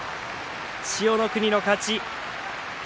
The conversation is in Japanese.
千代の国の勝ち。